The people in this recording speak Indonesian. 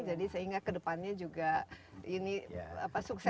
jadi sehingga kedepannya juga ini sukses